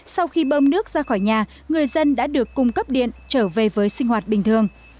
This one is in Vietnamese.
sau khi bơm nước ra khỏi nhà người dân đã được cung cấp điện trở về với sinh hoạt bình thường